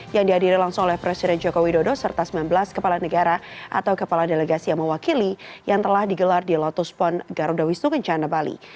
yang diadiri langsung oleh presiden joko widodo serta sembilan belas kepala negara atau kepala delegasi yang mewakili yang telah digelar di lotus pond garuda wisnu kencana bali